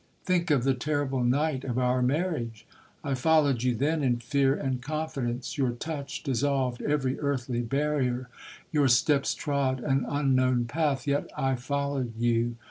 —Think of the terrible night of our marriage! I followed you then in fear and confidence—your touch dissolved every earthly barrier—your steps trod an unknown path, yet I followed you!